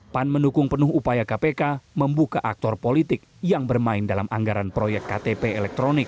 pan mendukung penuh upaya kpk membuka aktor politik yang bermain dalam anggaran proyek ktp elektronik